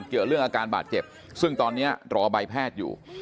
เกี่ยวเรื่องอาการบาดเจ็บซึ่งตอนนี้รอใบแพทย์อยู่